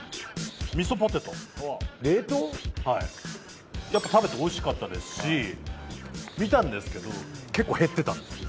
みそポテトはいやっぱ食べておいしかったですし見たんですけど結構減ってたんですよ